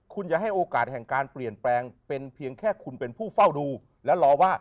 คุณจะให้โอกาสแห่งการเปลี่ยนแปลงเป็นเพียงแค่คุณเป็นผู้เฝ้าดูและรอว่า